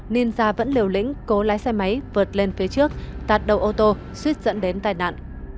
nên gia vẫn liều lĩnh cố lái xe máy vượt lên phía trước tạt đầu ô tô suýt dẫn đến tai nạn